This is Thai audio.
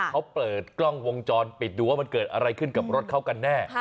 เขาเปิดกล้องวงจรปิดดูว่ามันเกิดอะไรขึ้นกับรถเขากันแน่